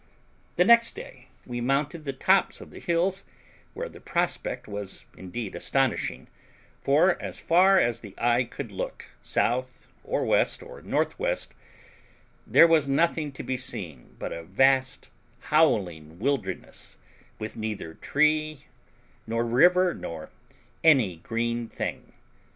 The next day we mounted the tops of the hills, where the prospect was indeed astonishing, for as far as the eye could look, south, or west, or northwest, there was nothing to be seen but a vast howling wilderness, with neither tree nor river, nor any green thing.